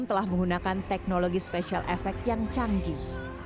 telah menggunakan teknologi special effect yang canggih